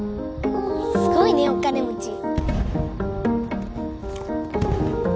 すごいねお金持ち。